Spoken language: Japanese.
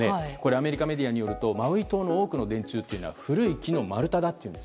アメリカメディアによるとマウイ島の多くの電柱は古い木の丸太だと。